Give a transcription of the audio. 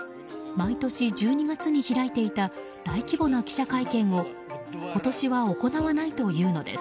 毎年１２月に開いていた大規模な記者会見を今年は行わないというのです。